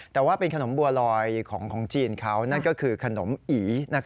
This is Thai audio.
แต่ว่าเป็นขนมบัวลอยของจีนเขานั่นก็คือขนมอี